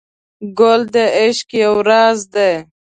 ګل د عشق یو راز دی.